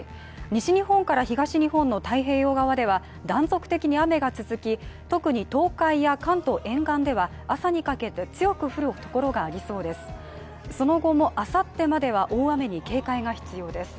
西日本から東日本の太平洋側では断続的に雨が続き特に東海や関東沿岸では朝にかけて、強く降る所がありそうです。